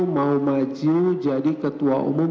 mau maju jadi ketua umum